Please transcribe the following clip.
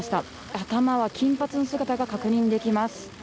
頭は金髪の姿が確認できます。